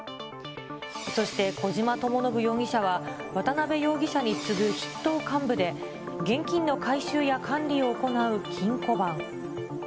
そして小島智信容疑者は渡辺容疑者に次ぐ筆頭幹部で、現金の回収や管理を行う金庫番。